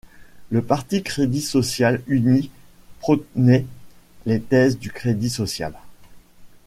Le Parti crédit social uni prônait les thèses du crédit social.